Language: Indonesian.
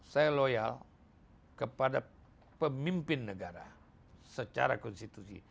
saya loyal kepada pemimpin negara secara konstitusi